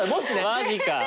マジか！